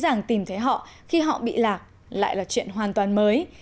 dễ dàng tìm thấy họ khi họ bị lạc lại là chuyện hoàn toàn mới